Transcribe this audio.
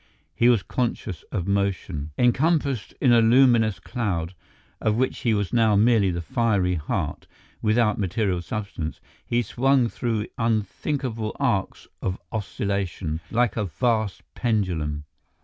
He was conscious of motion. Encompassed in a luminous cloud, of which he was now merely the fiery heart, without material substance, he swung through unthinkable arcs of oscillation, like a vast pendulum.